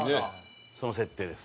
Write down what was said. その設定です。